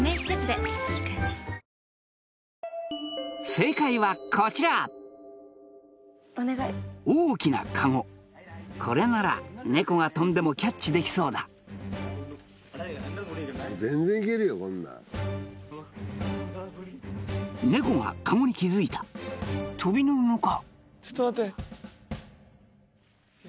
正解はこちら大きなカゴこれならネコが飛んでもキャッチできそうだネコがカゴに気づいた飛び乗るのか？